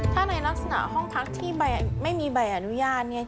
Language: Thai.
ถ้าในลักษณะห้องพักที่ไม่มีใบอนุญาตเนี่ย